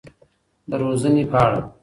د روزنې په اړه.